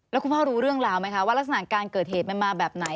แล้วคุณพ่อรู้เรื่องราวไหมคะว่ารักษณะการเกิดเหตุมันมาแบบไหน